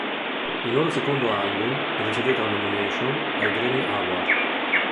Il loro secondo album ricevette una nomination ai Grammy Award.